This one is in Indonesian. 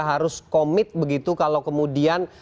harus komit begitu kalau kemudian